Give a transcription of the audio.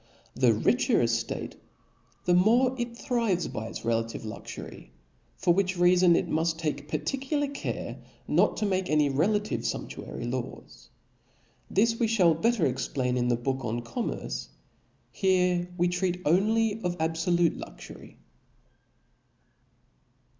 The richer a ftatej the more it thrives by its re lative luxury ; for which reafon it muft take par ticular care not to make any relative fumptuary laws. This we fliall better explain in the book on commerce () j here we treat only of abfolute (j) sce luxury.